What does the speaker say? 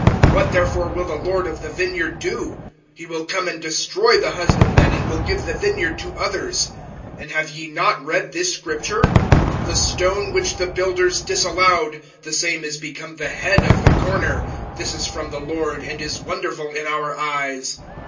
(9)What therefore will the lord of the vineyard do? He will come and destroy the husbandmen, and will give the vineyard to others. (10)And have ye not read this scripture: The stone which the builders disallowed, The same is become the head of the corner; (11)This is from the Lord, and is wonderful in our eyes.